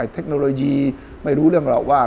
เทคโนโลยีไม่รู้เรื่องหรอกว่า